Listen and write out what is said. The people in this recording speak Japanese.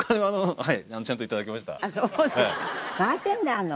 はい。